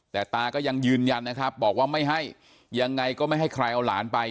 แต่ตาก็ยังยืนยันนะครับบอกว่าไม่ให้ยังไงก็ไม่ให้ใครเอาหลานไป